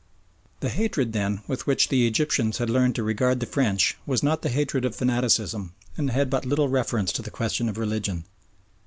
The hatred, then, with which the Egyptians had learned to regard the French was not the hatred of fanaticism and had but little reference to the question of religion.